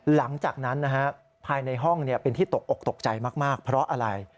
หลังจากนั้นภายในห้องเป็นที่ตกอกตกใจมากเพราะอะไร